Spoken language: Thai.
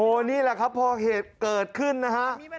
นี่แหละครับพอเหตุเกิดขึ้นนะฮะ